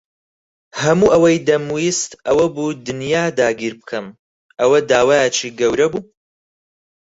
هەموو ئەوەی دەمویست ئەوە بوو دنیا داگیر بکەم. ئەوە داوایەکی گەورە بوو؟